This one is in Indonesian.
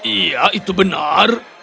iya itu benar